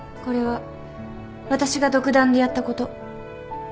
これは私が独断でやったこと。